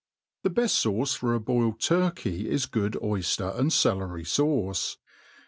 THE beft fauce for a boiled turkey is good oySer and cel« lery fauce.